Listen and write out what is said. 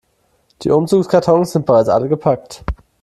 Die Umzugskartons sind bereits alle gepackt.